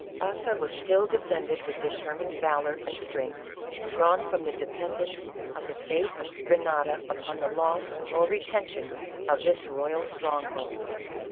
Baza was still defended with determined valor and strength, drawn from the dependence of the fate of Grenada upon the loss or retention of this royal strong hold.